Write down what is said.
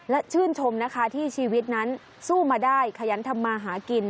และชื่นชมนะคะที่ชีวิตนั้นสู้มาได้ขยันทำมาหากิน